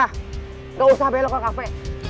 tidak usah belok ke kafe